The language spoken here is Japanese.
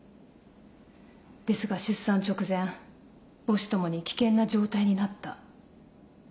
ですが出産直前母子共に危険な状態になった。